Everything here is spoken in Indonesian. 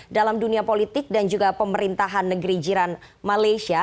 dalam dunia politik dan juga pemerintahan negeri jiran malaysia